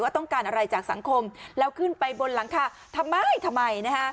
ต้องการอะไรจากสังคมแล้วขึ้นไปบนหลังคาทำไมทำไมนะฮะ